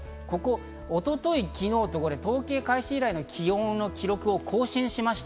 一昨日、昨日と統計開始以来の気温の記録を更新しました。